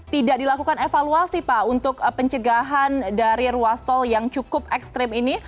tidak dilakukan evaluasi pak untuk pencegahan dari ruas tol yang cukup ekstrim ini